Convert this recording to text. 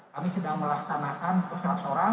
kami sedang melaksanakan percelakaan